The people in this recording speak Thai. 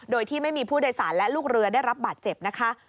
โดยที่ไม่มีผู้โดยสารและลูกเรือได้รับบาดเจ็บนะคะ